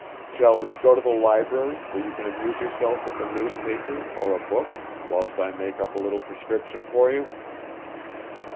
Shall we go to the library where you can amuse yourself with the newspaper or a book whilst I make up a little prescription for you?"